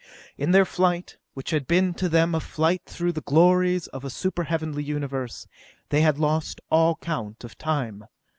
In their flight, which had been, to them a flight through the glories of a super heavenly Universe, they had lost all count of time.